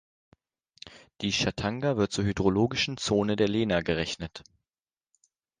Die Chatanga wird zur hydrologischen Zone der Lena gerechnet.